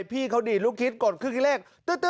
พี่เขาดีลุคิตกดเครื่องคลิกเลข